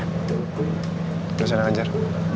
gak usah nangajar